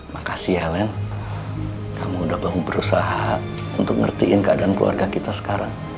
makasih ya len kamu udah belum berusaha untuk ngertiin keadaan keluarga kita sekarang